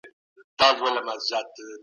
څوک زموږ ملاتړ کوي؟